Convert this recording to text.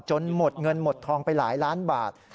หมดเงินหมดทองไปหลายล้านบาท